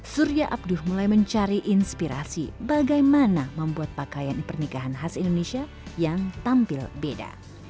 surya abduh mulai mencari inspirasi bagaimana membuat pakaian pernikahan khas indonesia yang tampil beda